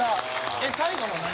えっ最後の何？